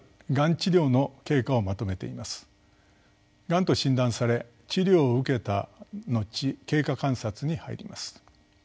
がんと診断され治療を受けた後経過観察に入ります。